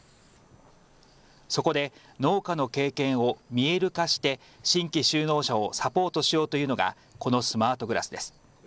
そこで農家の経験を見える化して新規就農者をサポートしようというのがこのスマートグラスです。